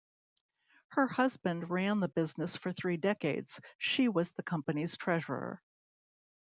Her husband ran the business for three decades; she was the company's treasurer.